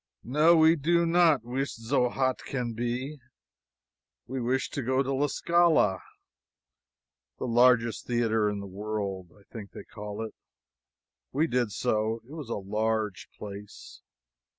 No, we did not "wis zo haut can be." We wished to go to La Scala, the largest theater in the world, I think they call it. We did so. It was a large place.